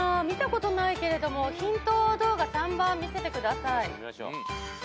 見たことないけれどもヒント動画３番見せてください。